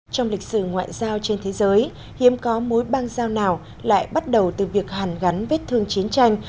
trong lịch sử ngoại giao trên thế giới hiếm có mối bang giao nào lại bắt đầu từ việc hàn gắn vết thương chiến tranh